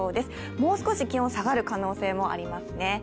もう少し気温下がる可能性もありますね。